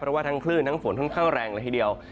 เพราะว่าทั้งคลื่นทั้งฝนค่อนข้างแรงเลยทีเดียว